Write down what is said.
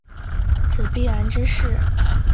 此必然之势。